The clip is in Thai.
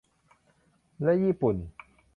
และญี่ปุ่น